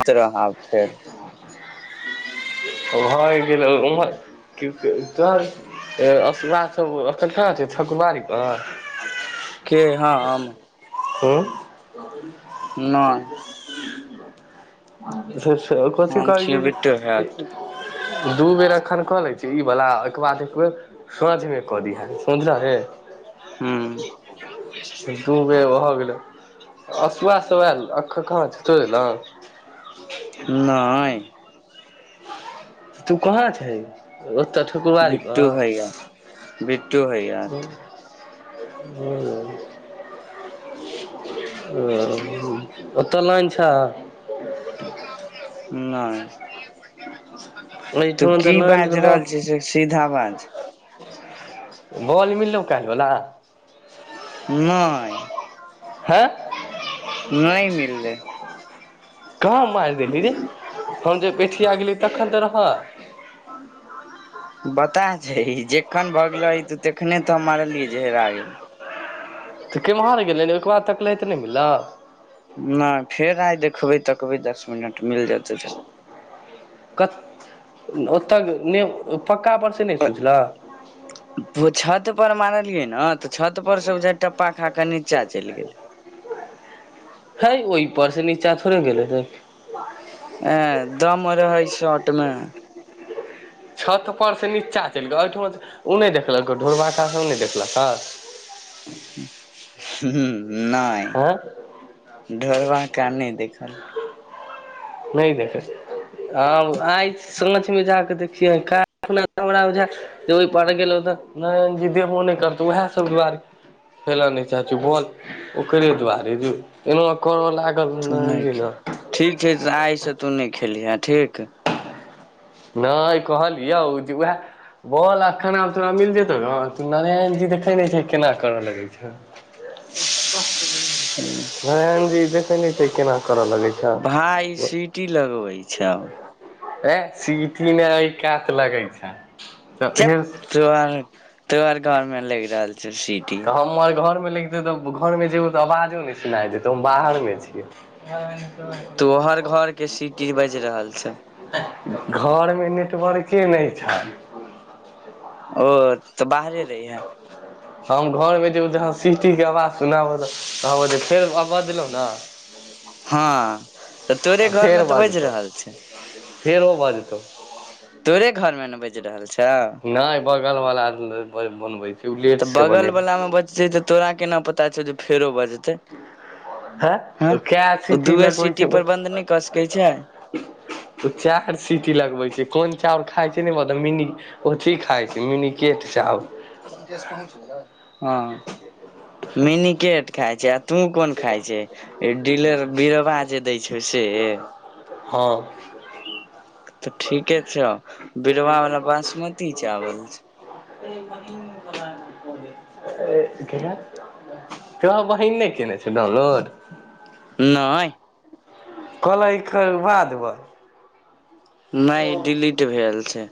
इ तरह आब फेर भऽ गेलै ओम्हर कि तोहर अ सबख नठ छै ठकुबारी पर के हँ आम हँ ब नइ से से कथी हम कहै छियै बिट्टू छै हैत जे दू बेर एखन कऽ लै छी ई बला ओके बाद एक बेेर सझमे क दी है समझल रे हँ दू बेर भ गेलै असुआ सब एल कहा सु ने नय तू कहाँ छय ओतऽ ठकुरबारी बिट्टू पर हैया बिट्टू हैया हूं हुं हुं ओतऽ लाइन छ नय तू एहिठाम तऽ की लाइन बाइज रहल छ से सीधा बाज बल मि लै कालवला नय हँ नय मिललै कहाँ मार देलहि रे हम जब एठिया गेली तखन तऽ रह हन बता छै जखन भग गेले त तखने तऽ हम मारलियै जे हेरा गेल तऽ केम्हर गेलै ने ओहिके बाद तकलैतऽ नहि गेलक नहि फेर आइ देखबै तकबै दस मिनट मिल जेतै कत ओतय नय पक्का बर से नहि सोचलह ओ छत पर मारलियै ने तऽ छत पर से उझा टप्पा खा क नीचा चैल गेलै हं है ओहिपर से नीचा थोड़े गेले ह ह ए दम रहय शर्ट में छत पर से नीचा चलि गेल ओहिठ ओ नहि देखलक ढोलबाका सब नहि देखलक ह नाय हं ढोरबाक क नहि देखल नहि देखै आ आइ साँझमे जााकऽ देखिय जे ओहि पार गेलो तऽ नारायण जी देबो नहि करतौ उएह सब दुआरे फैेलऽ नहि चाहै छौ बॉल ओकरे दुआरे जे एना करो लागल तू नारन नहि जी नै ठीक छै तऽ आइसँ तू नहि खेलिहे ठीक नहि कहलिय जे उएह बोल आ खानामे तोरा मिल जेतौ ग तू नारायण जी देखै नहि छै केना करय लगै छ हं नारायण जी देखे न छै केना करऽ लगे छै भाय सीटी लगबै छअ ए सीटी मे अ कात लगै छै त औहेन तोर तो आर घर में लग रहल छौ सीटी तऽ हमर घरमे लाग जेै तऽ घरमे जेयबै तऽ आवाजो नहि सुना जेतै हम बाहरमे छियै ह त [unintelligible] तो हर घर के सीटी बाज रहल छो घरमे नेटवर्के नहि छै ओ तऽ बाहरे रहिया हम घरमे जेब जहाँ सिष्टीके आवाज सुनाब त ताँ फेर आ बजलहुँ ने ह [unintelligible] हँ त तोरे घर मे तऽ बाजि रहल छे फेर भ जेतौ तोरे घरमे ने बाजि रहल छौ नहि बगल बालाद बनबै छै ओ तऽ लेटसँ बगल बनेलक वला मे बजते तऽ तोरा केना पता छौ जे फेरो बजते हँ ह ओ कए ओ सीटी दूए लगबै सिटी छै पर बंद नहि कऽ सकैत छे ओ चाउर सीटी लगबै छै कोन चाउर खााय छै ने मिनी ओथी खाइ छै मिनीकेट चाउर हँ मिनिकेट खाय छै तू कोन खाय छै डीलर बिरबा जे दैय छौ से हँ तऽ ठीके छौ बिरवा वाला बासमती चावल [unintelligible] तोरा बहिन नहि केने छै डाउनलोड नये कलैके खोलबा दैबे नहि डिलीट भेल छै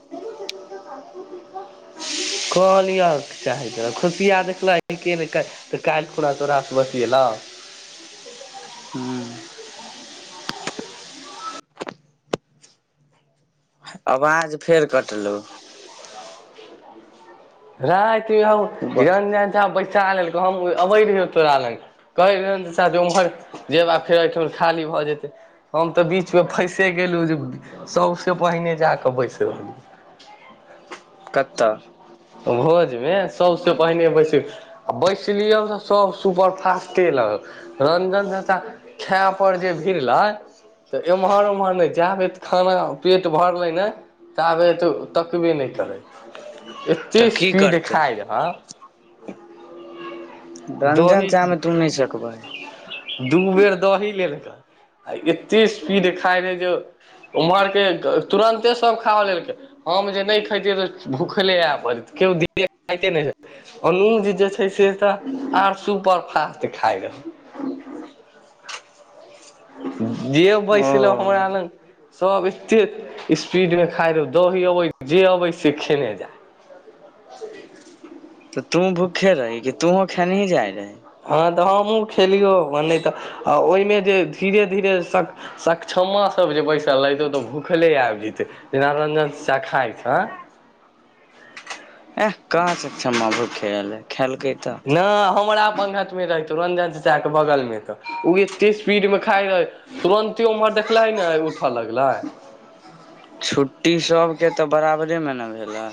कहलिय चाहैत खुशिया देखलक ह के नहि तऽ काल्हि खुना चोरासँ बतियेलौं हँ आवाज फेर कटलहुँ राति हम रंजन झा बैसा लेलको हम अबे रहियौ तोरा लंग कहै रहन तऽ शाद उम्हर जेब आ फेर एहिठन खाली भऽ जेतह हम तऽ बीच मे फैसे गेलहु जे सबौसे पहिने जााके बैस रहलि कत्तह भोजमे सबसे पहिने बैसे आ बैसि लिअ तऽ सभ सुपरफास्टे लग रंजन झा त खाय पर जे भिरलै तऽ एम्हर ओम्हर नै जायब तऽ खाना पेट भरलै ने तबे तऽ तकबे नइ करै एते तऽ की स्पीड करतै खाय रह व्यंजन चाहमे तुम नहि सकबै दू बेर दही लेलकय आ एते स्पीड खाय रहे जे ओम्हरके तुरन्ते सब खा लेलकै हम जे नहि खैतियै तऽ भूख दी खाये अनुज जे छै से तऽ आर सुपर फास्ट खाय रह जे ओ बैसलहु हमरा लग सभ एते स्पीड में खाइ रह दही अबै जे अबै से खेने जाय [inaudible] तऽ तूँ भूक्खे रही कि तोहू खेनही जाइ रही हँ तऽ हमहूँ खेलियौ म नहि तऽ आ ओहिमे जे धीरे धीरे सक्षमा सब जे बैसल लेते तऽ भूखले आबि जतै जेना रंजन चखाय छै एह काँ चक्ष म भ खेलल खेलकै तऽ न हमरा पख मे रहै तौ रंजन चचा के बगल मे तऽ ओ एते स्पीड मे खाइ रहै तुरन्तो ओम्हर देखलै ने उठऽ लगलै छुट्टी सबके तऽ बराबरेमे ने भेलै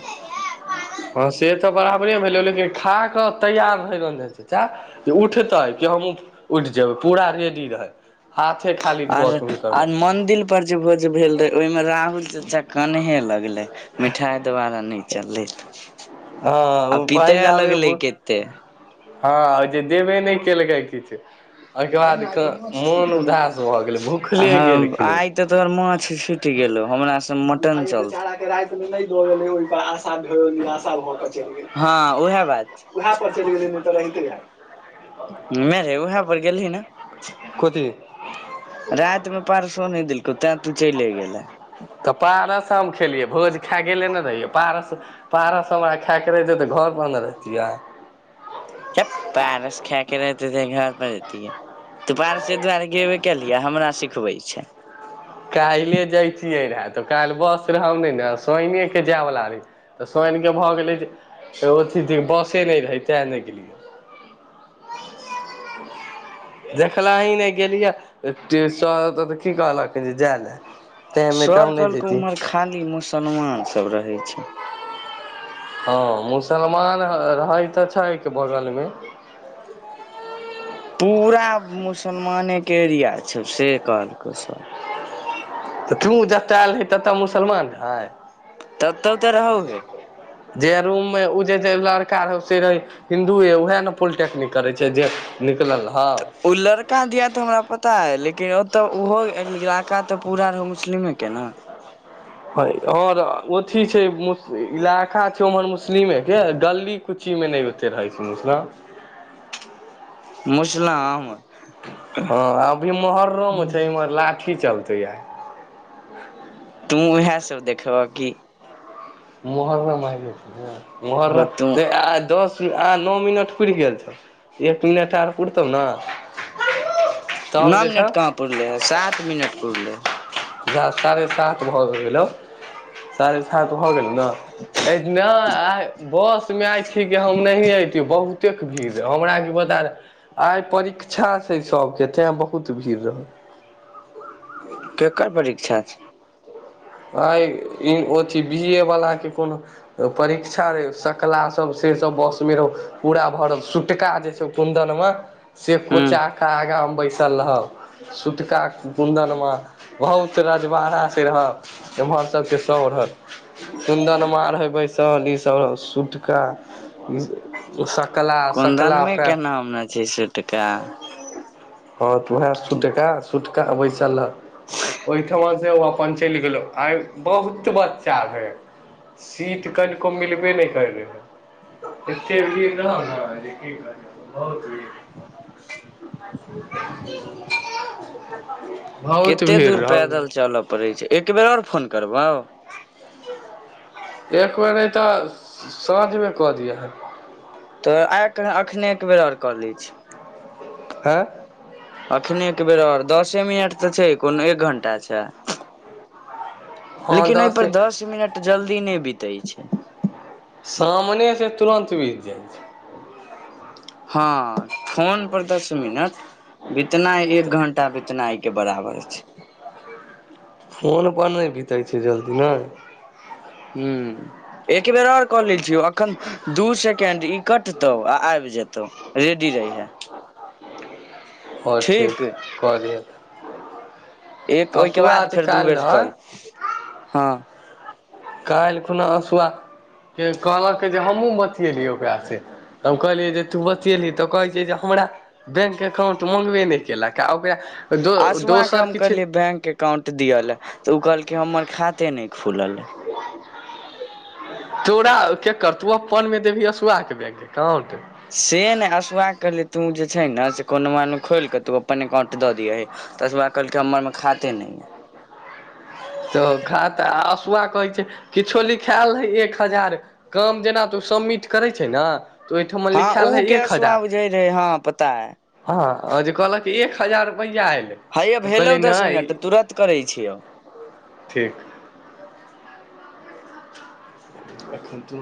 हँ से तऽ बराबरे भेलै लेकिन खा कऽ तैयार भयनि जाइ छै चाचा जे उठतै के हमहूँ उठि जेबै पूरा रेडी रहै हाथे खाली धोअ के हुनकर म उऊपर जे भोज भेल रहे ओहि में राहुल चचा कनहे लगले मिठाई द्वारा न चललै हँ आ ओ पीतय पहिले लगलै आबे कते हँ जे देबे नहि केलकै किछु ओके बाद मोन उदास भऽ गेलै भुखले गेलखिन ए तोर माछ छुटि गेलो हमरा से मटन चल निशा भ के चलि गेल ह उएह ब उएह पर चलि गेलै तऽ रहिते ह मे रे उएह पर गेलली ने कोथी राति में परसो ही देलकौ तें तू चलि गेले तऽ पारस हम खेलियै भोज खा गेले ने रहियै पारस पारा सब हमरा खायएके रहहि छैै तऽ घर बन्द रहितियै जब पैरस खके रहते घर पर रहती तूपार से दुआरे गेबे कलियै हमरा सिखबै छै काल्ले जाइ छियै रहए तऽ काल्हि बस रहब ने ने सइनेके जायवला रहे तऽ सईनऽ के भऽ गेलै जे ओथी बसे नहि रहय तेँ नहि गेलियै देखला ही नहि गेलियिया सऽ की कहल कु जा ले सर कहलक उम्हर खाली मुसलमान सब रहे छै हँ मुसलमान है तऽ छैके बगलमे ह पूरा मुसलमानेके एरिया छै से कहलकै सर तऽ तू जतय आयल रही ततय मुसलमान रहय तऽ तऽ त रह हुए जे रूममे ओ जे जे लड़का रहै से रहै हिन्दू य उएह ने पोलिटेक्निक करे छै जे निकलल हा ओ लड़का दिया तऽ हमरा पता अइ लेकिन ओतऽ ओहो इलाका तऽ पूरा रहै मुस्लिमेके ने ह ओर ओथी छै मु इलाका छै उम्हर मुस्लिमे के गली कुछ कु मे नहि होते रहै सुन न मुसला अहमद हँ अभी मोहर्रमे छै इम्हर लाठी चलतै आए तू उएह सब देखब की मोहर्र म महर्र होतू आइ दस आ नओ मिनट पुरि गेल छौ एक मिनट आर पुरतौ ने तब नओ जे मिनट छौ कहाँ पुरले है सात मिनट पुरले है जह साढ़े सात भऽ गेलौ साढ़े सात भऽ गेल ने आ बस मे आय ठ हम नहि ऐति बहुत कतेक भीड़ रह हमरा के बता आइ परीक्षा छै सबके तें बहुत भीड़ रहल केकर परीक्षा छै अ अथि बी ए वला के कोनो परीक्षा रहे सकला सब से सब बस मे रहो पूरा भ रहल सटका जे छै उन्दालमा से हूँ कोचा कऽ आगामे बैसल रहब सुतका कुन्दनमे बहुत रजमाना से रहय एम्हर सबके स रहत चन्दन मार हे बैसल ईसभ सूट का सकला सकलापे नाम छै से टका हँ तऽ उएह सुटका सुटका बैसल ओहिठमा से ओ अपन चलि गेलो आइ बहुत बच्चा भेले सीट कनिको मिलबे नहि कर रह है ए भीर नहि की कह बहुतीर [inaudible] कतेक भीड़ दूर रहौ पैदल चलय पड़ैत छै एक बेर ओर फोन करबहौ एक बेर नहि तऽ साँझ में कऽ दि हन तऽ आइ अखने एकबर ओर कऽ लै छी आँ अखने एक बेर ओर दसे मिनट तऽ छै कोनो एक घंटा छै लेकिन एहिपर दस मिनट जल्दी नहि बितै छै सामने छै तुरन्त बीत जाइ छै हँ फोनपर दस मिनट बितनाइ एक छै घंटा बितना एहि के बराबर छै फोनपर नहि बितैत छै जल्दी नहि हं एक बेेर आर कऽ लेल छियै अखन दू सेकेंड ई कटतौ आ आबि जेतौ रेडी रहिहे ओर ठीक कऽ जेतै एक ओहिके बाद फेर दू बेर कॉल हँ काल्हि खुना हँसुआ के कहलक जे हमहूँ बतिएलियी ओकरासँ हम कहलियै जे तू बतिएलही तऽ कहैत छिय जे हमरा बैंक अकाउंट मंगबे नहि केलक आ ओकरा द दोसर किछु अकाउंट दियल लै तऽ ओ कहलक हमर खाते नहि खुलल है तोरा के कर तू अपन मे देबह हसआके बैंक अकाउंट से ने असुआ करलह तू जे छै ने से कोनो मनू खोलि कऽ तू अपन एककाउंट दऽ दिये हे तसुआ कहलकै हमर में खाते न य तऽ खा त आसुआ कहै छै किछो लिखायल रहै एक हजार काम जेना तऽ ओ सबिट करै छै ने तऽ ओहिठ हँ लिखैयल है उ के एक असुआ हजार बुझै रहे हँ पता है हँ जे कहलक एक हजार रुपैआ एयलै हैया भेलौ दस मिनट तऽ तुरत करै छियौ ठीक एन तऽ